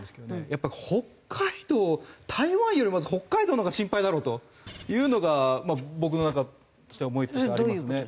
やっぱり北海道台湾よりまず北海道のほうが心配だろうというのが僕のなんか思いとしてはありますね。